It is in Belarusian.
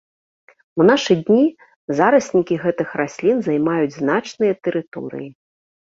У нашы дні зараснікі гэтых раслін займаюць значныя тэрыторыі.